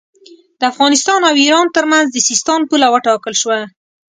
د افغانستان او ایران ترمنځ د سیستان پوله وټاکل شوه.